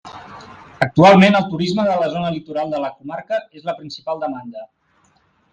Actualment el turisme de la zona litoral de la comarca és la principal demanda.